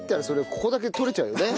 ここだけ取れちゃうよね。